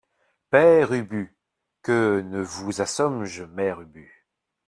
Père Ubu Que ne vous assom’je, Mère Ubu !